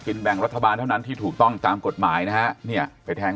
แบ่งรัฐบาลเท่านั้นที่ถูกต้องตามกฎหมายนะฮะเนี่ยไปแทง